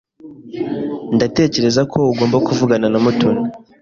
Ndatekereza ko ugomba kuvugana na Mutoni.